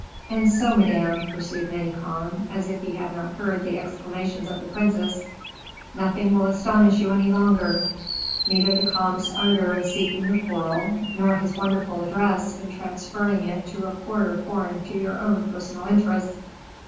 "And so, Madame," pursued Manicamp, as if he had not heard the exclamations of the princess, "nothing will astonish you any longer, neither the comte's ardor in seeking the quarrel, nor his wonderful address in transferring it to a quarter foreign to your own personal interests.